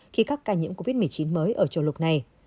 khi các ca nhiễm covid một mươi chín mới ở châu lục này